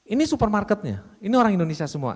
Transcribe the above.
ini supermarketnya ini orang indonesia semua